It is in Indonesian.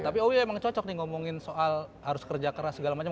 tapi owi emang cocok nih ngomongin soal harus kerja keras segala macem